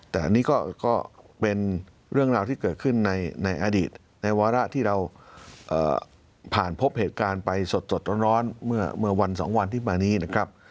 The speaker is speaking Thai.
แต่อันนี้ก็เป็นเรื่องราวที่เกิดขึ้นในอดีตในวาระที่เราผ่านพบเหตุการณ์ไปสดร้อนเมื่อวัน๒วันที่มานี้นะครับ